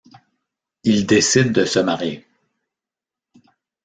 Ils décident de se marier.